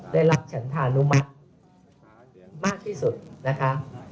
ได้รับฉันธานุมัติมากที่สุดนะคะ